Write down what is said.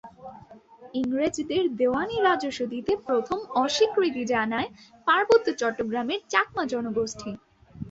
ইংরেজদের দেওয়ানি রাজস্ব দিতে প্রথম অস্বীকৃতি জানায় পার্বত্য চট্টগ্রামের চাকমা জনগোষ্ঠী।